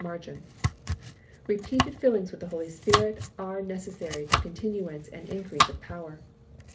margin). Repeated fillings with the Holy Spirit are necessary to continuance and increase of power.